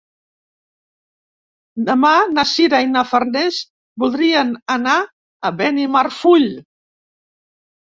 Dissabte na Sira i na Farners voldrien anar a Benimarfull.